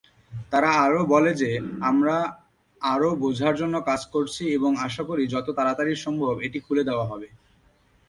তারা আরও বলে যে, "আমরা আরো বোঝার জন্য কাজ করছি এবং আশা করি যত তাড়াতাড়ি সম্ভব এটি খুলে দেওয়া হবে।"